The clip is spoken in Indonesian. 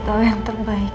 nama yang terbaik